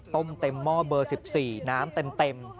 ต้มเต็มหม้อเบอร์๑๔น้ำเต็ม